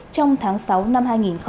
trong tháng sáu năm hai nghìn hai mươi ba